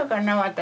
私。